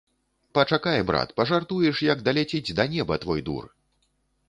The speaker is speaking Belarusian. Пачакай, брат, пажартуеш, як даляціць да неба твой дур.